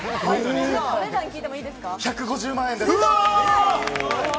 １５０万円です。